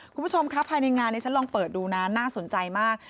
คุณผู้ชมครับภายในงานนี้ฉันลองเปิดดูนะน่าสนใจมาก